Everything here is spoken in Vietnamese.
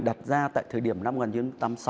đặt ra tại thời điểm năm một nghìn chín trăm tám mươi sáu